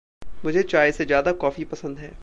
मुझे चाय से ज़्यादा कॉफ़ी पसंद है।